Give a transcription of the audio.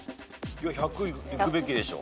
１００いくべきでしょ。